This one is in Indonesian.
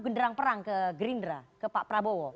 atau menyerang perang ke gerindra ke pak prabowo